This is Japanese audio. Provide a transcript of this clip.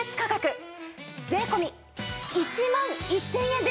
税込１万１０００円です！